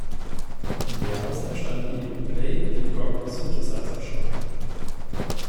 Daraus entstand die "Bley-Peacock Synthesizer Show".